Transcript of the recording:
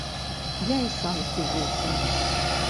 Я і сам здзівіўся.